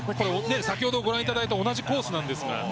先ほどご覧いただいた同じコースなんですが。